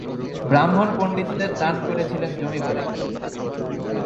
ব্রাহ্মণ পণ্ডিতদের দান করেছিলেন জমি বাড়ি।